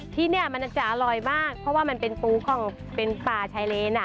ที่นี่มันอาจจะอร่อยมากเพราะว่ามันเป็นปูของเป็นป่าชายเลน